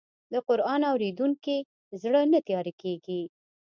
د قرآن اورېدونکی زړه نه تیاره کېږي.